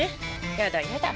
やだやだ。